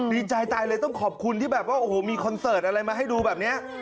ดีใจตายเลยต้องขอบคุณที่แบบว่าโอ้โหมีคอนเสิร์ตอะไรมาให้ดูแบบนี้